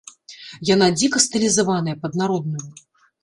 Яна дзіка стылізаваная пад народную.